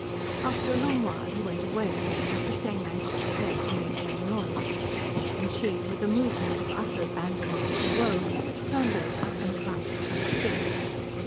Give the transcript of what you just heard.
After a long while he went away again with the same anxious care to make no noise, and she, with a movement of utter abandonment to woe, turned over and cried herself sick.